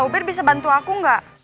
akhir bisa bantu aku gak